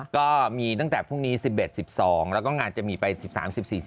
ก็มีตั้งแต่พรุ่งนี้๑๑๑๒แล้วก็งานจะมีไป๑๓๑๔